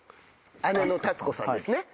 姉の立子さんですね。